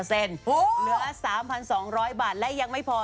เหลือ๓๒๐๐บาทและยังไม่พอ